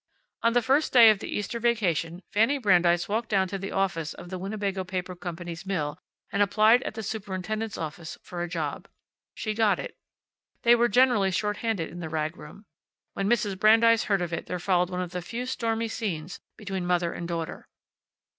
On the first day of the Easter vacation Fanny Brandeis walked down to the office of the Winnebago Paper Company's mill and applied at the superintendent's office for a job. She got it. They were generally shorthanded in the rag room. When Mrs. Brandeis heard of it there followed one of the few stormy scenes between mother and daughter.